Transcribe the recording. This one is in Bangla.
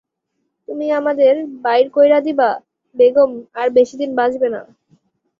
তুমি, আমদের বাইর কইরা দিবা, বেগম আর বেশিদিন বাঁচবে না।